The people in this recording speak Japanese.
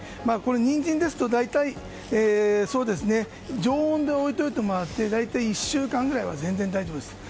ニンジンですと大体常温で置いておいてもらって大体１週間ぐらいは全然大丈夫です。